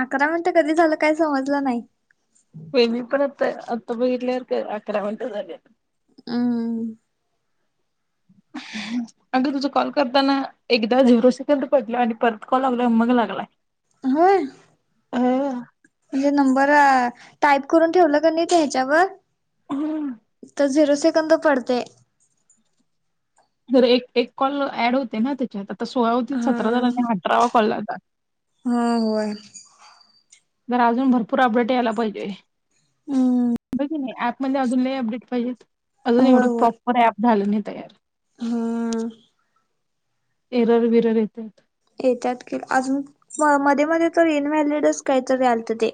अकरा मिनिटं कधी झालं काय समजलं नाही. वनिपण अत बरलेारक आकडमट झाले हम् ह अख तुझ कॉल करताना एकदा झिव्रो सेकंड पडल आणि परत कॉल लावला मग लागलाय होय म्हणजे नंबर टाईप करून ठेवलं का नाही ते ह्याच्यावर हा तर झिरो सेकंद पडते जर एक एक कॉल ऍड होते ना त्याच्यात आता सोळा होती सतरा हार हा आणि अठरावा कॉल लातात हा होय तरर अजून भरपूर अपडेट यायला पाहिजे हम होय नाही ऍप म्हणजे अजून नाही अपडेट पाहिजेत अजून होय एवढं होय प्रॉपर ऍप झालं नाही तयार हा एरार बिरार येतात याच्यात के अजून म मध्ये मध्ये तर इनव्हॅलडच काहीतरी आलत ते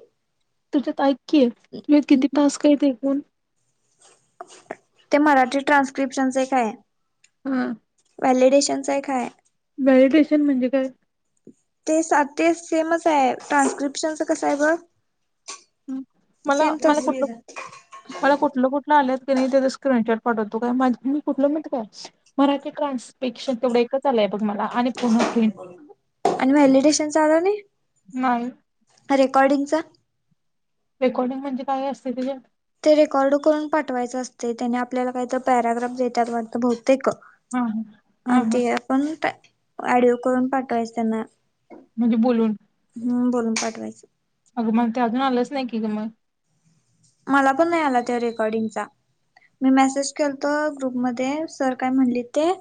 तुझ्यात ऐक तुही किती तास काहीतेण ते मराठी ट्रान्स्क्रिप्शनच का आहे हम व्हॅलिडेशनच आहे काय मेडिटेशन म्हणजे काय ते स ते सेमच आहे ट्रान्स्क्रिप्शनच कसं आहे बर ह् मला मला कुठलं मला कुठलं कुठ आल्यात की नाही त्यां स्क्रीनशेअट पाठवतो काय मा मी कुलं म्हणत काय मराठी ट्रान्सपेक्शन तेवढे एक चलय बघ मला आणि पुन फिन आणि व्हॅलिडेशनचा आला नाही नाही रेकॉर्डिंगचा रेकॉर्डिंग म्हणजे काय असते तिझ ते रेकॉर्ड करून पाठवायचं असते त्याने आपल्याला काहीत पॅराग्राफ देतात वाटत बहुतेक हा हा हा अणि हा. ते आपण ऑडिओ करून पाठवायचं त्यांना म्हणजे बोलून हम् बोलून पाठवायचं अगं मग ते अजून आलंच नाही की गं मग मला पण नाही आला त्या रेकॉर्डिंगचा मी मॉसेज केलतो ग्रुपमध्ये सर काय म्हटली ते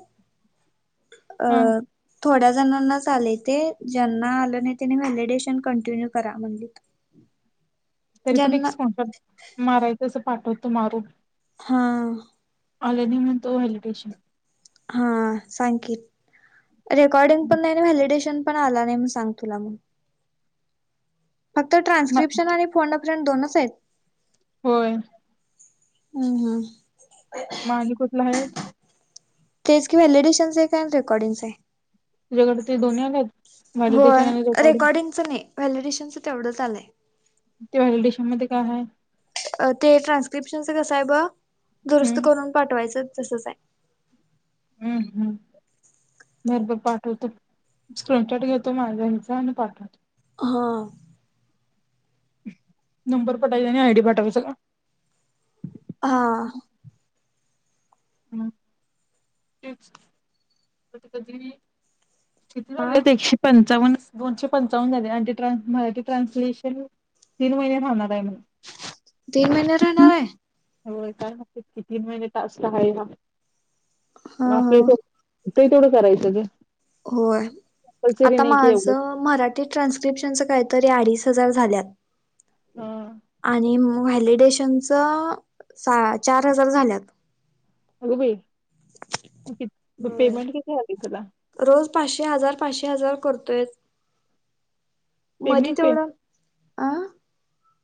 अ हा थोड्या जणांनाच आलय ते ज्यांना आलं नाही त्यांनी व्हॅलिडेशन कंटिन्यू करा म्हणलीत तरी पण एक [unintelligible] मारायचं तसं पाठवतो मारून हां लरेडी म्हणतो हॅलिटेशन हा सांग की रेकॉर्डिंग पण नाही ना व्हॅलिडेशन पण आला नाही मग सांग तुला म फक्त म- ट्रान्स्क्रिप्शन फंड प्र्रिंट दोनच आहेत होय हम हम माझी कुठला आहे? तेच कि वलीएडिशनस आहे काय रेकॉर्डिंगस आहे. त्याकडडे ते दोन् आले. [inaudible] होय रेकॉर्डिंगचं नाही व्हॅलिडेशनच तेवढंच आलंय. ते हल डिशामध्येध्ये काय आहेय. ते ट्रान्स्क्रिप्शनच कसा आहे ब हम्म दुरुस्त करून पाठवायचं तसंच आहे. हम्म हम्म म बग पाठवतो स्क्रीनशॉट घेतो माझा ह्याचां आणि पाठवतो. हां नंबर पाठावचा आणि आयडी पाठवायचा. हां हम् टिप्स कधी किती आ झालेत एकशे पंचावन्न दोनशे पंचावन्न झाले आणि मराठी ट्रान्सलेशन. तीन महिने थांबणार आहे म्हण तीन महिने राहणार हाय काय माहीत की तीन महिने टास्क हाय हा ना हा. ते थोडं करायचं ग होय कंपल्सरी आता नाही की एवढं माझं मराठी ते ट्रान्स्क्रिप्शनचं काहीतरी अडीच हजार झाल्यात. हा आणि वॅलडेशनचं चारहजार झाल्यात. अगं बाई होय पेमेंट किती आले तुला रोज पाचशे हजार पाचशे हजार करतोयच मधी पेमेंट पे तेवढं आं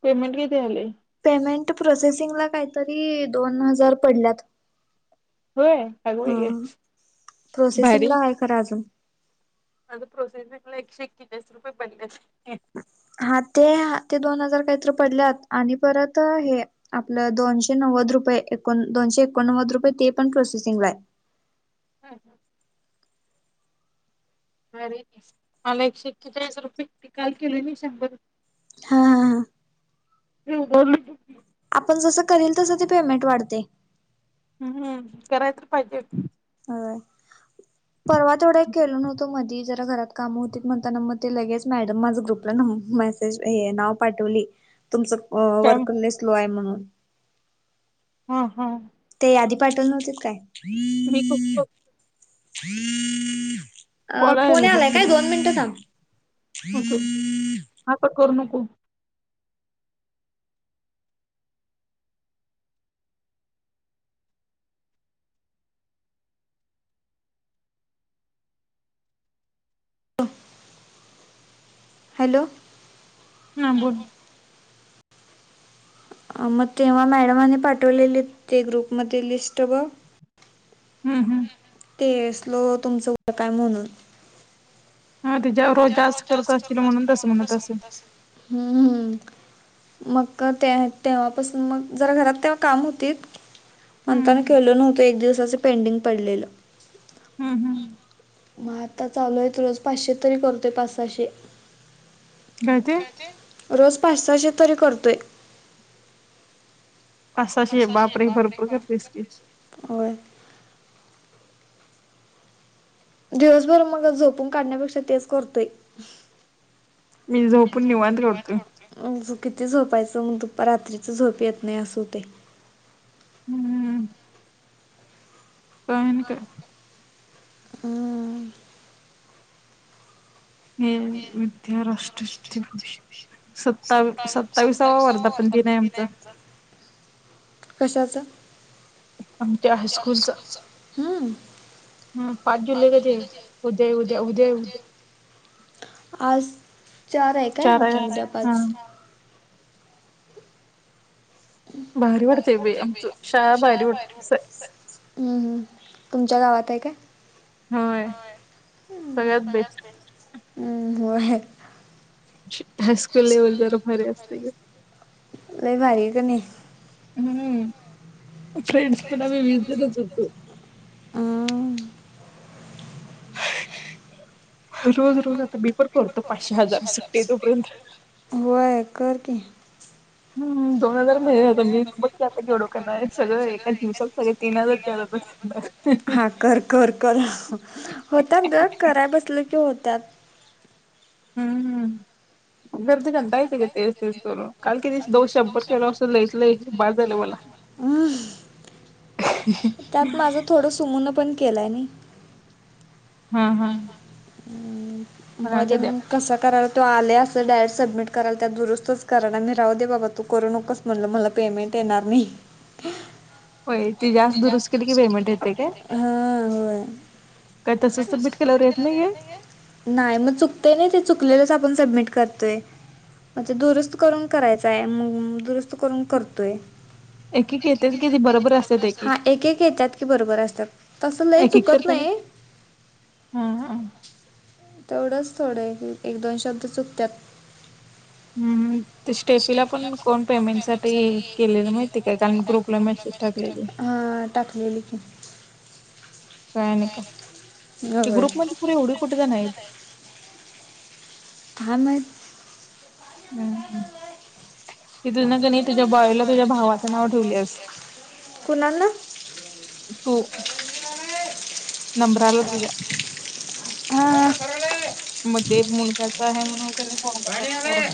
पेमेंट किती झालेय. पेमेंट प्रोसेसिंगला काहीतरी दोन हजार पडल्यात. होय अगं हा बाई प्रोसेसिंग भारी ला आहे खरं अजून माझं प्रोसेसिंगला एकशेएक्केचाळीस रुपये पडलेत. हा ते ते दोन हजार काहीतर पडल्यात आणि परत हे आपलं दोनशे नव्वद रुपये दोनशे एकोणनव्वद रुपये ते पण प्रोसेसिंगला आहे. हम्म हम् अरे मला एकशे एक्केचाळीस रुपये निकाल के ले शंभर रुपये हा हा हा तु बोल तू आपण जसं करील तसं ती पेमेंट वाढतंय. हम्म हम्म कराय तर पाहिजे. ह परवा तेवढा केलो नव्हतो मधी घरात काम होती म्हणता मग ते लगेच मॅडम माझ ग्रुपला मेसेज हे नाव पाठवली. तुमचं काय वर्करने स्लो आहे म्हणून हा हा ते आधी पाठव नव्हतेत काय म हम्. अ फोन बोलायला आलाय काय तुला दोन मिनटं थांब हा पण करू नको. हॅलो हा बोल मग तेव्हा मॅडमाने पाठवलेले ते ग्रुपमध्ये लिस्ट बघ. हम्म हम् ते स्लो तुमचं काय म्हणून हा ते ज रोज जास्त करत असशील म्हणून तसं म्हणत असेल हम्म मग ते तेव्हापासून मग जरा घरात तेव्हा काम होतीत म्हणताना हम्म केलो नव्हतं एक दिवसाचं पेंटिंग पडलेलं हम्म हम् मग आता चालू आहे रोज पाचशे तरी करतोय पाचहाशे काय ते रोज पाच सशे तरी करतोय पाचशे बापर भरपूर करतेस की हो दिवसभर मग झोपून काढण्यापेक्षा तेच करतोय मी झोपून जाऊ निवांत काढतोय पण निवड किती झोपायचं मग त रात्रीच झोप येत नाही असं ते हम्मम का हेन का हम हे विद्या राष्ट्र दिवस सत्तावी सत्तावीसावा वर्ध कशाच आमच्या हायस्कूलचा हम्म हम पाच जुलै क उद्या येद्या उद्या ये उद्या आज चार आहे काय हा उद्यापच भारी पडते बा भारी प तुमच्या गावात आहे काय होय. हम्म सगळ्यात बेस्ट. हो हायस्कूल लेवल जरा भरे असते ल माारी क नाही हम फ्रेंड्स पणी विझिटच होतो अ रोज रोज आता बेपर करतो पाचशे हजार सुट्टे तोपर्यंत होय कर की हम्म दोन हजार महि आता मी बघकी आता घवडोक नाही सगळं एकाच दिवसाला सगळे तीन हजार चल बस बर हा कर कर कर होत दळ्या कराय बसलं की होत्याात हम्म हम्म गर्दी घंटा येत ग तेच तेच करून काल किती दोन शंभर किलो असून ल इथलं बाज झाले मला हं [inaudible] त्यात माझं थोडं सूमनाप पण केलाय नाही हा हा हुं कोणाला मध्ये तर द्या मग कस करा तो आलय असं डायरेक्ट सबमिट करायला त्यात दुरुस्तच करना मी राहू दे बाबा तू करू नकोस म्हटलं मला पेमेंट येणार नाही. होय ते जास्त दुरुस्त केलं की पेमेंट येतंय काय? हा होय काय तसं सबमिट केल्यावर येत नाही हे नाही मग चुकतय नाही ते चुकलेलंच आपण सबमिट करतोय. म्हणजे दुरुस्त करून करायचाय मग दुरुस्त करून करतोय. एक एक येत्यात की ती बरोबर हा एक एक येतात कि बरोबर असतात तस लय चुकत नाही. हम ह तेवढंच थोडं एक, दोन शब्द चुकत्यात. हम्म ते स्टेटला पण कोण पेमेंट साठी केलेलं माहिती काय कारण ग्रुपला मेसेज टाकलेली हा टकलेली की [inaudible] हो [unintelligible] ग्रुप मध्ये पोरं एवढी कुठे जाणार आहेत. काय माहित. हुं हुं. ते तून कनाइ तुझ्या बॉयला तुझ्या भावाचं नाव ठेवल्यास कुणाला तू नंबराला तुझ्या ह ह. मग ते एक मुलगाच आहे म्हणून का नाही फोन करत्यात पोरं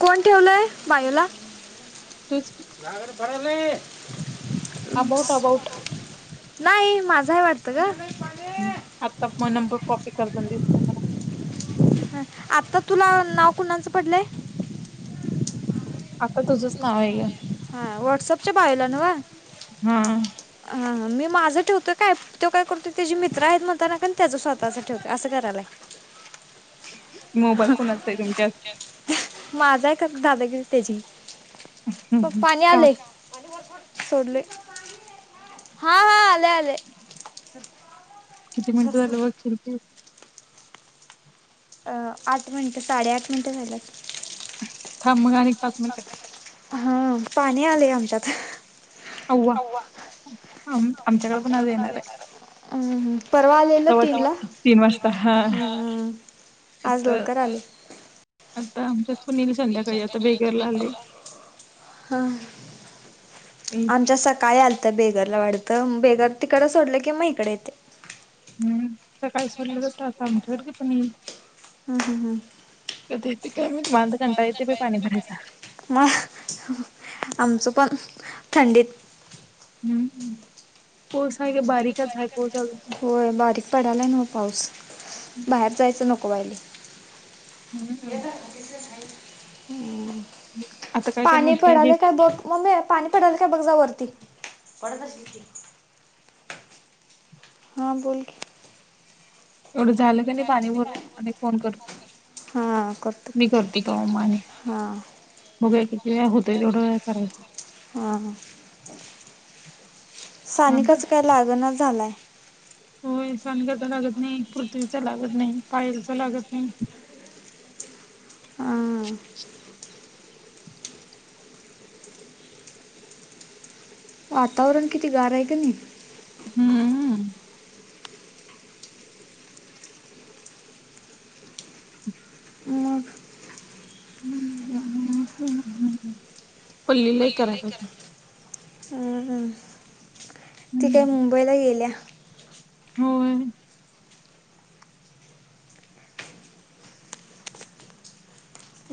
कोण ठेवलंय बायोला? तूच अबाऊट अबाऊट [unintelligible] नाही माझं हाय वाटतं गं आता मग नंबर कॉपी करता दिसले मला ह आत्ता तुला नाव कुणाचं पडलंय? आता तुझंच नाव आहे गं हा व्हॉट्सअपच्या बायोला न्हव हा हा हा मी माझ ठेवतोय काय. त्यो काय करतोय तेजी मित्र आहेत म्हणताना का नाही त्याचं स्वतःच ठवतोय असं करालाय. मोबाईल कोणाचा आहे तुमच्यात माझा आहे खरं दादागिरी त्याची पपा हम्म. पाणी का आलय सोडलय हा, हा, आले, आले किती सर मिनिटं सर झाले बघ शिल्पी अं आठ मिनिटं साडेआठ मिनिटं झाल्यात. थांब मग अनेक हा पाणी आलय आमच्यात अव्वा आमच्याकडे पण आज येणार आहे. अ ह. परवा आलेल तेव्हा ती तीनला तीन वाजता हा हुं आज तर लवकर आलंय. आता आमच्यात पण ईल संध्याकाळी आता बेगरला आलंय. हां. आमच्या सकाळी आलतं बेगरला वाढतं बेगर तिकडं सोडलं कि मग हिकडं येतय. हम्म सकाळी सडलं जात आता आमच्यावरती पण येईल. हम्म हम्म हम्म. कधेत काय माहित मला तर कंटाळा येते बाई पाणी भरायचा. मग आमचं पण थंडीत हम्म पोसाय का बारीकच आहे पोस अजून होय बारीक पडालाय ना पाऊस बाहेर जायचं नको वाहिलेय. हम्म. आता काय कर पाणी माहिती हे पडाले काय बघ मम्मी पाणी पडल काय बघ जा वरती पडत अशील की हां बोलकी. एवढं झालं क नाही पाणी भरव आणि फोन कर. हा कर. मी करतो तो अ व माने हां. बग का किती वेळा होतय तेवढं वे करायचं. हा हा थांब हं. सानिकाच काय लागनाच झालाय होय सानिकाचा लागत नाही, पृथ्वीचा लागत नाही, पायलचा लागत नाही हम वातावरण किती गार आहे की नाही? हम्म. मग ह पल्लीलाही करा पाहिजे. हम हम. ती काही मुंबईला गेल्या. मूल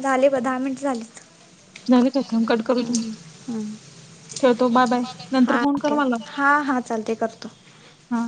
झाले ब दहा मिनिट झाले. झालेचम कट करू तुम्ही हम्म. ठेवतो बाय बाय नंतर फोन कर मला हां हां चालते करतो. हा.